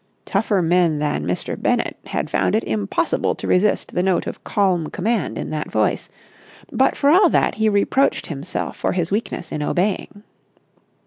Tougher men than Mr. Bennett had found it impossible to resist the note of calm command in that voice, but for all that he reproached himself for his weakness in obeying.